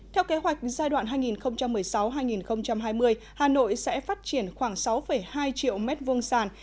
theo kế hoạch giai đoạn hai nghìn một mươi sáu hai nghìn hai mươi hà nội sẽ phát triển khoảng sáu hai triệu m hai sàn